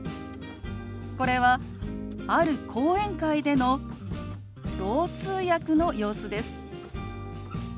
これはある講演会でのろう通訳の様子です。